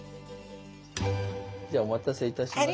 じゃお待たせいたしました。